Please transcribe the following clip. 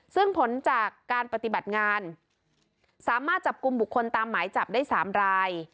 ซึ่งผลจากการปฏิบัติงานสามารถจับกลุ่มบุคคลตามหมายจับได้๓ราย